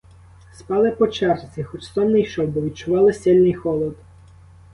Спали по черзі, хоч сон не йшов, бо відчували сильний холод.